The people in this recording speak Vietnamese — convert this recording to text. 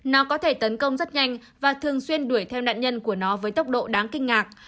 nó có thể tấn công rất nhanh và thường xuyên đuổi theo nạn nhân của nó với tốc độ đáng kinh ngạc